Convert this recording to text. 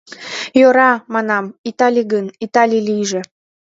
— Йӧра, — манам, — Италий гын, Италий лийже.